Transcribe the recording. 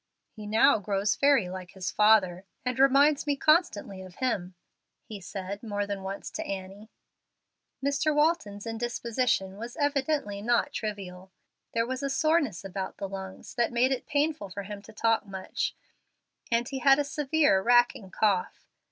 "He now grows very like his father, and reminds me constantly of him," he said more than once to Annie. Mr. Walton's indisposition was evidently not trivial. There was a soreness about the lungs that made it painful for him to talk much, and he had a severe, racking cough.